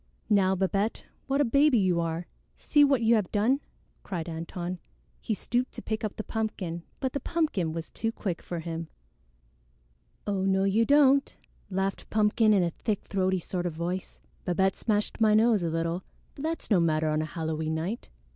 "Now, Babette, what a baby you are! See what you have done!" cried Antone. He stooped to pick up the pumpkin, but the pumpkin was too quick for him. "Oh, no, you don't," laughed Pumpkin in a thick throaty sort of voice. "Babette smashed my nose a little, but that's no matter on a Halloween night.